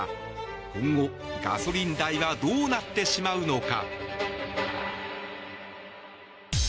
今後、ガソリン代はどうなってしまうのか。